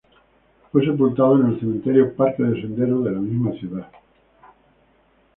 Fue sepultado en el cementerio Parque del Sendero de la misma ciudad.